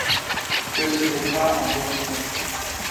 que ce n’est pas un pur-sang.